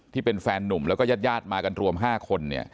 ที่เป็นแฟนนุ่มแล้วก็ญาติมากันรวม๕คน